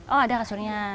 oh ada kasurnya